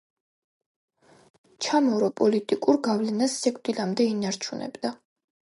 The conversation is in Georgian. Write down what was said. ჩამორო პოლიტიკურ გავლენას სიკვდილამდე ინარჩუნებდა.